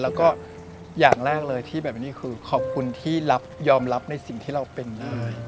แล้วก็อย่างแรกเลยที่แบบนี้คือขอบคุณที่ยอมรับในสิ่งที่เราเป็นได้